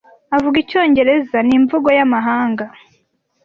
Avuga Icyongereza n'imvugo y'amahanga.